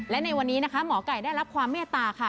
และในวันนี้นะคะหมอไก่ได้รับความเมตตาค่ะ